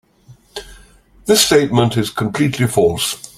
This statement is completely false.